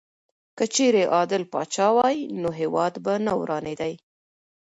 که چېرې عادل پاچا وای نو هېواد به نه ورانېدی.